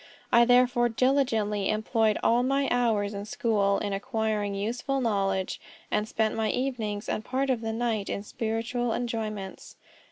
I therefore diligently employed all my hours in school in acquiring useful knowledge, and spent my evenings and part of the night in spiritual enjoyments."